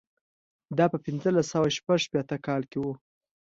دا په پنځلس سوه شپږ شپېته کال کې و.